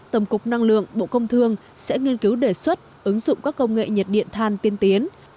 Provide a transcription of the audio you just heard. tổng cục năng lượng bộ công thương sẽ nghiên cứu đề xuất ứng dụng các công nghệ nhiệt điện than tiên tiến